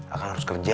akang harus kerja